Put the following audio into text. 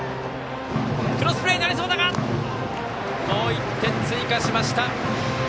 もう１点追加しました。